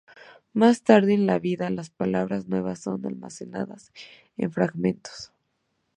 Más tarde en l vida, las palabras nuevas son almacenadas en fragmentos.